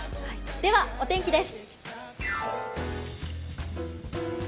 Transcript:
ではお天気です。